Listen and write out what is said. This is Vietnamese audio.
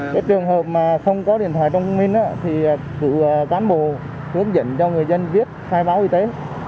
các trường hợp mà không có điện thoại trong minh thì tự cán bộ hướng dẫn cho người dân viết khai báo y tế